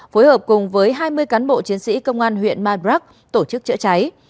phối hợp cùng với hai mươi cán bộ chiến sĩ công an huyện madrak tổ chức chữa cháy